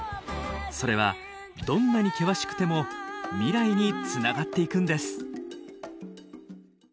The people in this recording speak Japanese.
それはどんなに険しくても未来につながっていくんです。